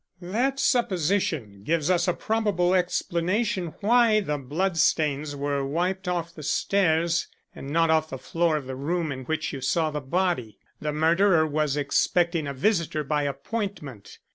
"That supposition gives us a probable explanation why the blood stains were wiped off the stairs, and not off the floor of the room in which you saw the body. The murderer was expecting a visitor by appointment.